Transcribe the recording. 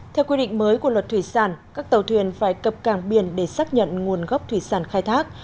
theo quy định mới của luật thủy sản các tàu thuyền phải cập cảng biển để xác nhận nguồn gốc thủy sản khai thác